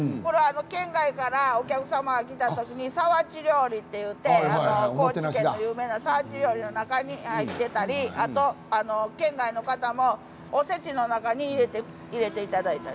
県外からお客様が来た時にさわち料理といって高知県の有名なさわち料理の中に入っていたり県内の方もおせちの中に入れていただいたり。